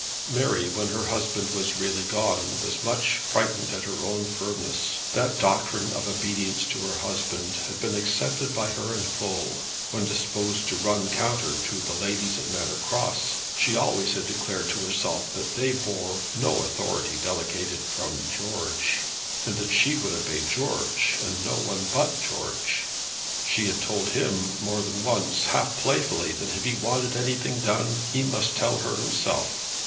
Mary, when her husband was really gone, was much frightened at her own firmness. That doctrine of obedience to her husband had been accepted by her in full. When disposed to run counter to the ladies at Manor Cross, she always had declared to herself that they bore no authority delegated from "George," and that she would obey "George," and no one but George. She had told him more than once, half playfully, that if he wanted anything done, he must tell her himself.